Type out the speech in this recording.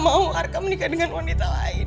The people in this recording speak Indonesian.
gita gak mau arka menikah dengan wanita lain